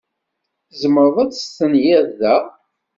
Tzemreḍ ad testenyiḍ da?